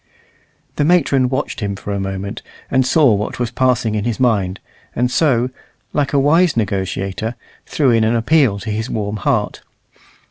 The matron watched him for a moment, and saw what was passing in his mind, and so, like a wise negotiator, threw in an appeal to his warm heart.